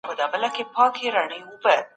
تولیدي پروژي د هېواد راتلونکی جوړوي.